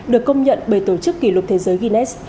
được công nhận bởi tổ chức kỷ lục thế giới guinness